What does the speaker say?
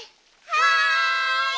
はい！